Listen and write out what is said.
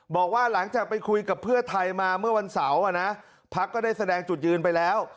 บอกว่าหลังจากไปคุยกับเพื่อไทยมาเมื่อวันเสาร์พักก็ได้แสดงจุดยืนไปแล้ว